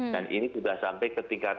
dan ini sudah sampai ketika